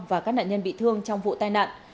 và các nạn nhân bị thương trong vụ tai nạn